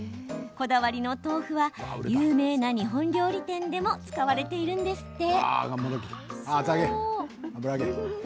こだわりの豆腐は有名な日本料理店でも使われているんですって。